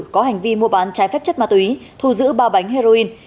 có hành vi mua bán trái phép chất ma túy thu giữ ba bánh heroin